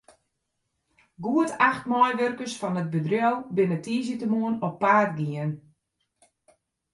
Goed acht meiwurkers fan it bedriuw binne tiisdeitemoarn op paad gien.